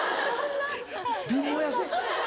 貧乏痩せ？